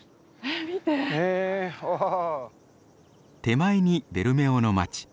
手前にベルメオの街。